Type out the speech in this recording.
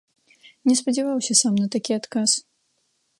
Не спадзяваўся сам на такі адказ.